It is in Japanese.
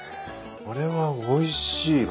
これはおいしいわ。